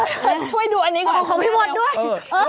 ช่วยดูอันนี้คือของพี่มดด้วย